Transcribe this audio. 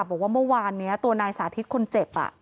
บอกว่าเมื่อวานนี้ตัวนายสาธิตคนเจ็บ